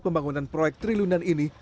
pembangunan proyek trilunan ini